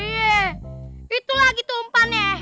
iye itulah gitu umpannya